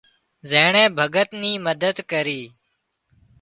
زينڻي بڳت ني مدد ڪري